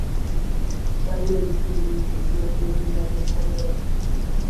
Waaliwo ebituli bingi mu by'okwerinda by'ekomera.